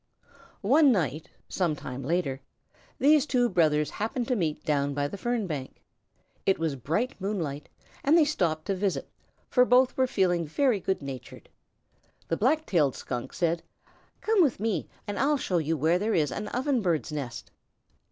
One night, some time later, these two brothers happened to meet down by the fern bank. It was bright moonlight and they stopped to visit, for both were feeling very good natured. The Black tailed Skunk said: "Come with me and I'll show you where there is an Ovenbird's nest."